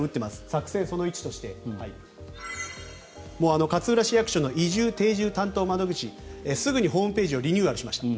作戦その１として勝浦市役所の移住・定住担当窓口すぐにホームページをリニューアルしました。